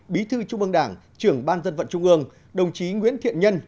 bí thư trung ương đảng trưởng ban dân vận trung ương đồng chí nguyễn thiện nhân